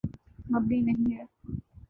مبنی نہیں ہے۔